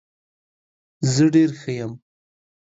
زه ډیر ښه یم.